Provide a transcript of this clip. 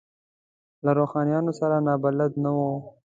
له روحانیونو سره نابلده نه وو.